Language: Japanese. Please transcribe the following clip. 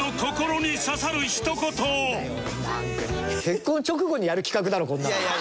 結婚直後にやる企画だろこんなの。